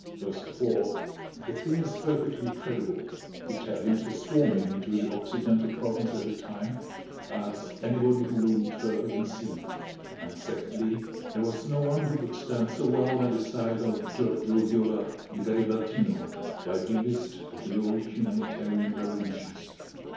First of all the thing is perfectly credible: Italians were swarming into the Occidental Province at the time, as anybody who will read further can see; and secondly, there was no one who could stand so well by the side of Giorgio Viola the Garibaldino, the Idealist of the old, humanitarian revolutions.